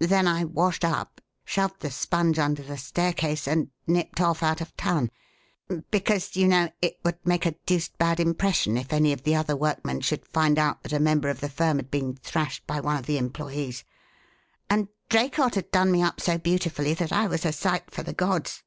Then I washed up, shoved the sponge under the staircase, and nipped off out of town; because, you know, it would make a deuced bad impression if any of the other workmen should find out that a member of the firm had been thrashed by one of the employees and Draycott had done me up so beautifully that I was a sight for the gods."